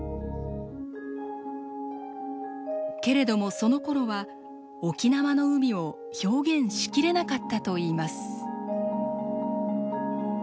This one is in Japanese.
けれどもそのころは沖縄の海を表現しきれなかったといいます。